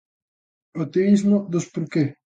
O activismo dos "por que?".